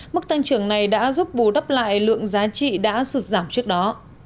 mức tăng trưởng này đã giúp bù đắp lại lượng giá trị đã sụt giảm trước đó